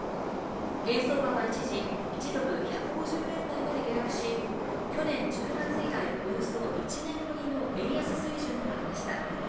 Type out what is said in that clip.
円相場は一時１ドル＝１５０円台まで下落し、去年１０月以来、およそ１年ぶりの円安水準となりました。